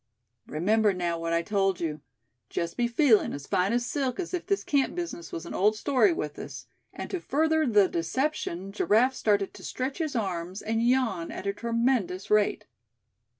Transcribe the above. "Remember, now, what I told you; just be feelin' as fine as silk, as if this camp business was an old story with us," and to further the deception Giraffe started to stretch his arms, and yawn at a tremendous rate.